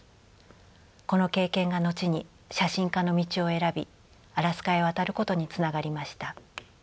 この経験が後に写真家の道を選びアラスカへ渡ることにつながりました。